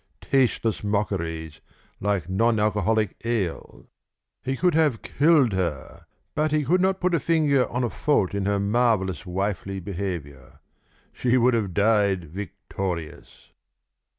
Tasteless mockeries, like non alcoholic ale! He could have killed her, but he could not put a finger on a fault in her marvellous wifely behaviour; she would have died victorious.